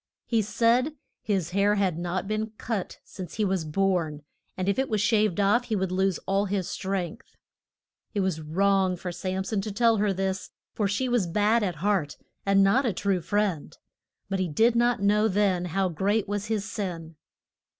He said his hair had not been cut since he was born, and if it were shaved off he would lose all his strength. It was wrong for Sam son to tell her this, for she was bad at heart and not a true friend. But he did not know then how great was his sin.